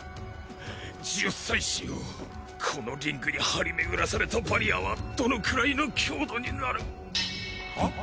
十祭司よこのリングに張り巡らされたバリアはどのくらいの強度になる？はっ？